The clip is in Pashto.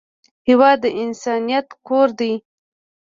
هېواد د انسانیت کور دی.